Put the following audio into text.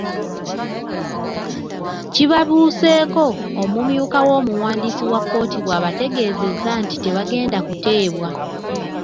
Kibabuuseeko omumyuka w’omuwandiisi wa kkooti bw’abategeezezza nti tebagenda kuteebwa.